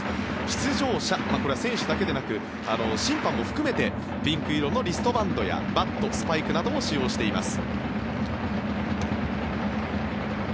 出場者、これは選手だけでなく審判も含めてピンク色のリストバンドやバット、スパイクなども使用しています。